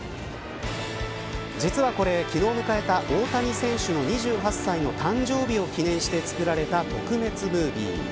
実はこれ、昨日迎えた大谷選手の２８歳の誕生日を記念して作られた特別ムービー。